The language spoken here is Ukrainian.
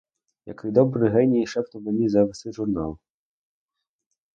Який добрий геній шепнув мені завести журнал!